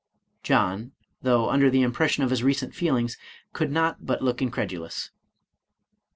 John, though under the impression of his recent feelings, could not but look incredulous.